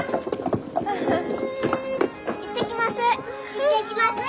行ってきます！